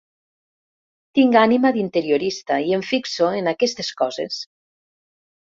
Tinc ànima d'interiorista i em fixo en aquestes coses.